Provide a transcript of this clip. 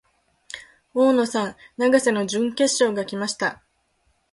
大野さん、永瀬の準決勝が来ました。